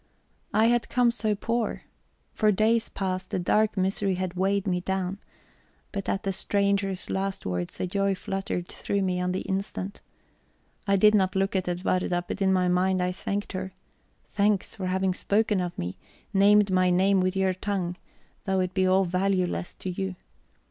I had come so poor! for days past, a dark misery had weighed me down. But at the stranger's last words a joy fluttered through me on the instant. I did not look at Edwarda, but in my mind I thanked her: Thanks, for having spoken of me, named my name with your tongue, though it be all valueless to you.